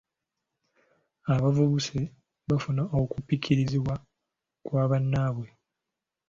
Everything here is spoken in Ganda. Abavubuse bafuna okupikirizibwa kwa bannaabwe.